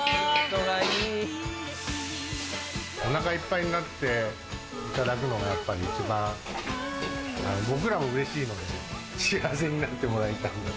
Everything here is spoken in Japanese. お腹いっぱいになっていただくのがやっぱり一番僕らも嬉しいので、幸せになってもらいたい。